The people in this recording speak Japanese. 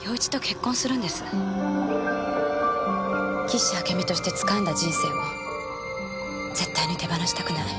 岸あけみとしてつかんだ人生を絶対に手放したくない。